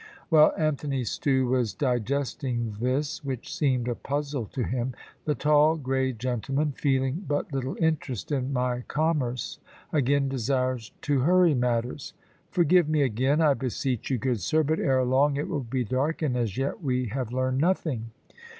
While Anthony Stew was digesting this, which seemed a puzzle to him, the tall grey gentleman, feeling but little interest in my commerce, again desired to hurry matters. "Forgive me again, I beseech you, good sir; but ere long it will be dark, and as yet we have learned nothing."